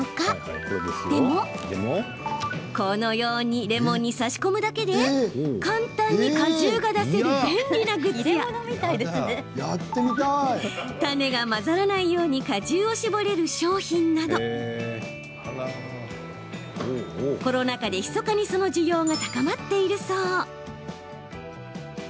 でもこのようにレモンに差し込むだけで簡単に果汁が出せる便利なグッズや種が混ざらないように果汁を搾れる商品などコロナ禍でひそかにその需要が高まっているそう。